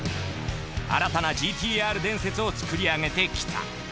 新たなＧＴ−Ｒ伝説を作り上げてきた。